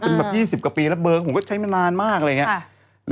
เป็นแบบ๒๐กว่าปีแล้วเบอร์ผมก็ใช้มานานมากอะไรอย่างนี้